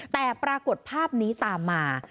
แต่ปรากฏภาพนี้ตามมา